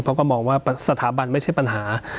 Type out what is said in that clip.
เพราะก็มองว่าสถาบันไม่ใช่ปัญหา